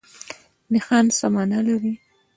نښان څه مانا لري؟